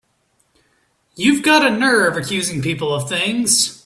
You've got a nerve accusing people of things!